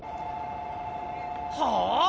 はあ⁉